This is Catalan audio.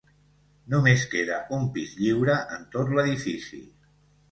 Només queda un pis lliure en tot l'edifici.